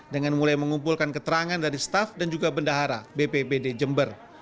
dengan mulai mengumpulkan keterangan dari staff dan juga bendahara bpbd jember